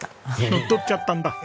乗っ取っちゃったんだ！